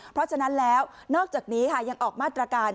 เพราะฉะนั้นแล้วนอกจากนี้ค่ะยังออกมาตรการ